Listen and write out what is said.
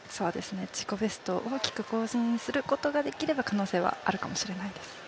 自己ベストを大きく更新することができれば可能性があるかもしれないです。